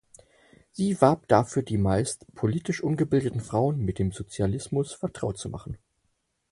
Sie warb dafür die meist politisch ungebildeten Frauen mit dem Sozialismus vertraut zu machen.